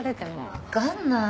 わかんない。